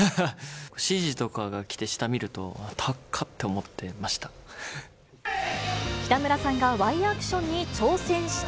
指示とかがきて下見ると、たっか！って思ってました。